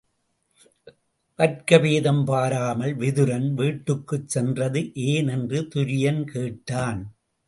வர்க்கபேதம் பாராமல் விதுரன் வீட்டுக்குச் சென்றது ஏன்? என்று துரியன் கேட்டான்.